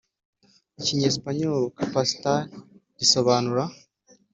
Ikinyesipanyole Capacitar risobanura